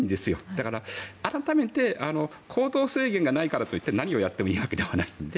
だから改めて行動制限がないからといって何をやってもいいわけではないので